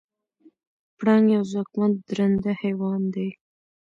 پړانګ یو ځواکمن درنده حیوان دی.